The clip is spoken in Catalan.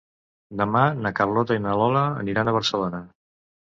Demà na Carlota i na Lola aniran a Barcelona.